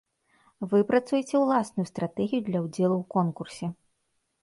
Выпрацуйце ўласную стратэгію для ўдзелу ў конкурсе.